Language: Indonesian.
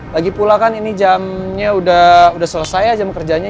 lagi pulang kan ini jamnya udah selesai aja jam kerjanya